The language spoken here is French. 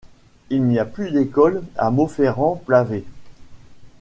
Il n'y a plus d'école à Monferran-Plavès.